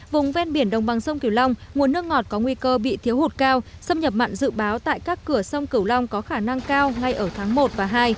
vùng ven biển đồng bằng sông kiều long nguồn nước ngọt có nguy cơ bị thiếu hụt cao xâm nhập mặn dự báo tại các cửa sông cửu long có khả năng cao ngay ở tháng một và hai